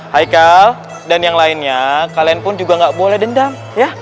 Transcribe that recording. haikal dan yang lainnya kalian pun juga nggak boleh dendam ya